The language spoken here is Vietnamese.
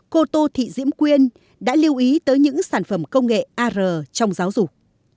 cô tô thị diễm quyên đã lưu ý tới những sản phẩm công nghệ ar trong giáo dục